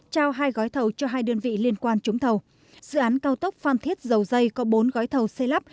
trao hai gói thầu cho hai đơn vị liên quan trúng thầu dự án cao tốc phan thiết dầu dây có bốn gói thầu xây lắp